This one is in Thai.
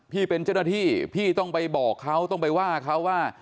พี่เป็นเจ้าหน้าที่พี่ต้องไปบอกเขาต้องไปว่าเขาว่า